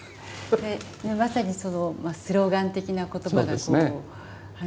まさにそのスローガン的な言葉がこう氾濫していた。